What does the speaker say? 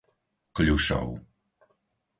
Kľušov